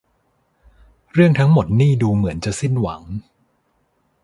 เรื่องทั้งหมดนี่ดูเหมือนจะสิ้นหวัง